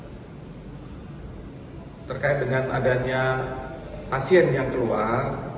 untuk isu hoax terkait dengan adanya pasien yang keluar